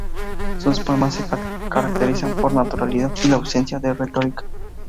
Sus poemas se caracterizan por la naturalidad y la ausencia de retórica.